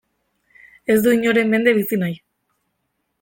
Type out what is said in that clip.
Ez du inoren mende bizi nahi.